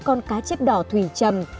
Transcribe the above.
con cá chép đỏ thủy trầm